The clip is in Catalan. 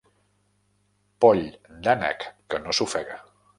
Poll d'ànec que no s'ofega.